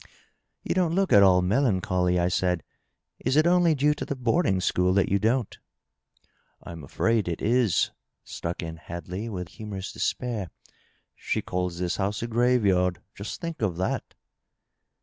" You don't look at all melancholy," I said. " Is it only due to the boarding school that you don't?" " I'm afraid it is," struck in Hadley, with humorous despair. " She calls this house a graveyard. Just think of that